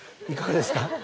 いかがですか？